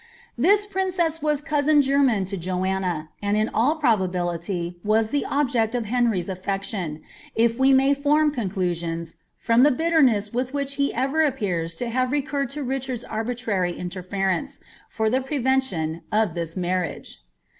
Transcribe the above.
This princess was cpusin gennan to Joanna, and in all probability was the object of Henry's affec* lion, if we may form conclusions, from the bitterness with which he evei appears to have recurred to Richard's arbitrary interference, for the pre vention of this marriage.